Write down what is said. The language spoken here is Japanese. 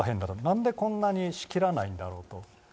なんでこんなにしきらないんだろうと。